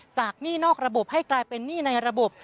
หนี้นอกระบบให้กลายเป็นหนี้ในระบบ